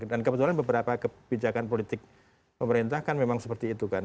dan kebetulan beberapa kebijakan politik pemerintah kan memang seperti itu kan